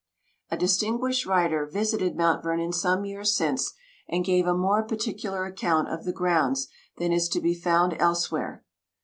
A distinguished writer visited Mount Vernon some years since, and gave a more particular account of the grounds than is to be found elsewhere.